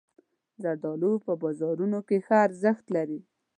زردالو په بازارونو کې ښه ارزښت لري.